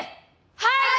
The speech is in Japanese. はい！